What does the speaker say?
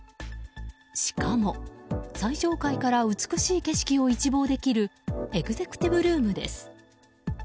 しかも、最上階から美しい景色を一望できるエグゼクティブルームです。